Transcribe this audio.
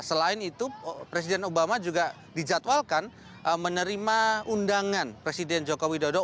selain itu presiden obama juga dijadwalkan menerima undangan presiden joko widodo